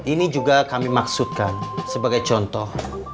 ini juga kami maksudkan sebagai contoh